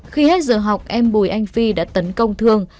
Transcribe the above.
khi hết giờ học em bùi anh phi đã tấn công thương